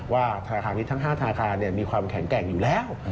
ว่าธนาคารนี้ทั้ง๕ธนาคารมีความแข็งแกร่งอยู่แล้ว